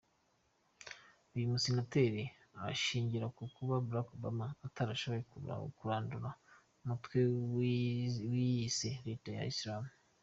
Uyu musenateri abishingira ku kuba Barack Obama atarashoboye kurandura umutwe wiyise Leta ya kisilamu.